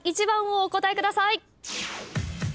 １番をお答えください。